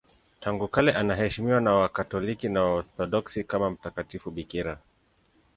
Tangu kale anaheshimiwa na Wakatoliki na Waorthodoksi kama mtakatifu bikira.